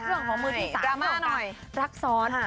เรื่องของมือที่๓เรื่องของการรักซ้อน